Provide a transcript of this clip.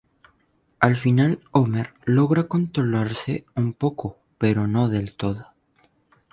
Al final, Homer logra controlarse un poco, pero no del todo.